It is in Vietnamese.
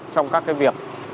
trong các cái việc